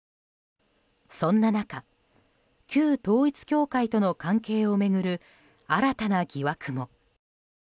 そんな中旧統一教会との関係を巡る新たな疑惑も。